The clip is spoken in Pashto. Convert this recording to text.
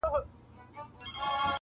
ځوانان د ازادۍ غږ اخبار ته ګوري حيران-